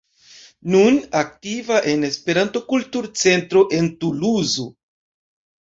Nun aktiva en Esperanto-Kultur-Centro en Tuluzo.